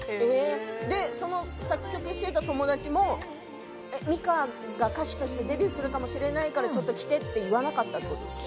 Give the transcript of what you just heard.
その作曲してた友達も美嘉は歌手としてデビューするかもしれないから来てって言わなかったってことですか？